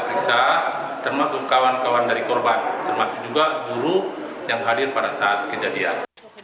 kepolisian resor nia selatan sumatera utara juga menggelar otopsi jenazah korban